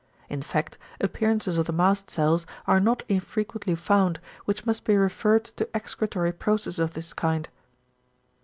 In fact appearances of the mast cells are not infrequently found, which must be referred to excretory processes of this kind.